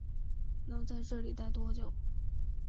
能在这里待多久